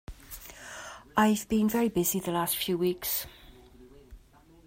I've been very busy the last few weeks.